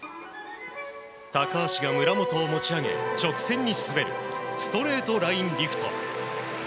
高橋が村元を持ち上げ直線に滑るストレートラインリフト。